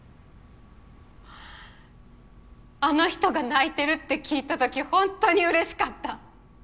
あの人が泣いてるって聞いたとき本当に嬉しかった。